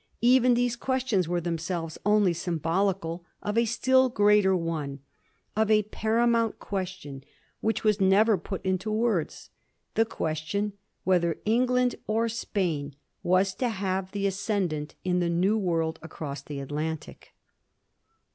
Even these questions were themselves only symbolical of a still greater one, of a paramount question which was never put into words : the question whether England or Spain was to have the ascendent in the new world across the Atlantic.